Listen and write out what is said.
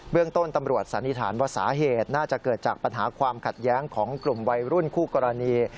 เรื่องต้นตำรวจสันนิษฐานว่าสาเหตุน่าจะเกิดจากปัญหาความขัดแย้งของกลุ่มวัยรุ่นคู่กรณี